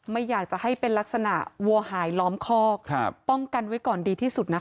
ไม่อยากจะให้เป็นลักษณะวัวหายล้อมคอกป้องกันไว้ก่อนดีที่สุดนะคะ